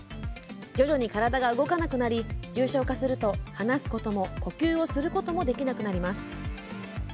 徐々に体が動かなくなり重症化すると、話すことも呼吸をすることもできなくなります。